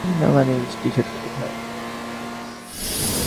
মা, আমার নীল টিশার্ট কোথায়?